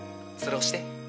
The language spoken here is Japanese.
それ押して。